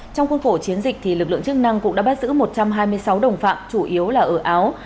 trong khuôn khổ chiến dịch lực lượng chức năng cũng đã bắt giữ một trăm hai mươi sáu đồng phạm chủ yếu là ở áo